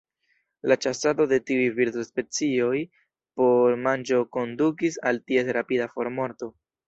La ĉasado de tiuj birdospecioj por manĝo kondukis al ties rapida formorto.